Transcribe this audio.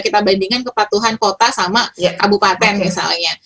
kita bandingkan kepatuhan kota sama kabupaten misalnya